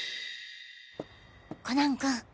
コナン君。